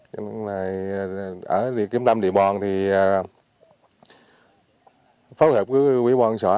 cho nên là ở kim tâm địa bòn thì pháo hợp với quỹ bòn xã